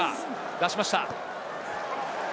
出しました。